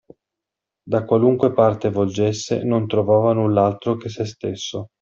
Da qualunque parte volgesse, non trovava null’altro che se stesso.